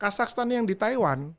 kazakhstan yang di taiwan